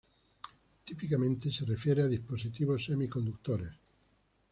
Típicamente se refiere a dispositivos semiconductores.